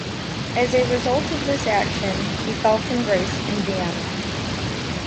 As a result of this action, he fell from grace in Vienna.